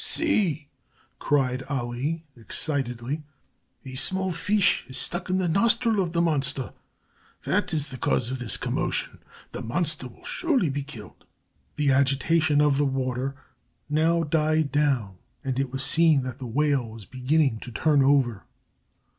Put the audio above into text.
"See," cried Ali, excitedly. "A small fish has stuck in the nostril of the monster. That is the cause of this commotion. The monster will surely be killed." The agitation of the water now died down, and it was seen that the whale was beginning to turn over.